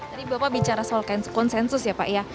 tadi bapak bicara soal konsensus ya pak ya